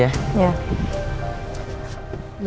terima kasih ya